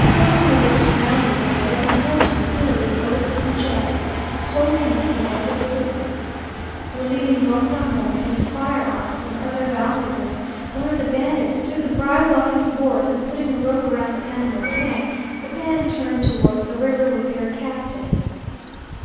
Suddenly they were surrounded by a dozen horsemen, who, with oaths and jests, told him that he was their prisoner. Relieving Don Ramon of his firearms and other valuables, one of the bandits took the bridle off his horse, and putting a rope around the animal's neck, the band turned towards the river with their captive.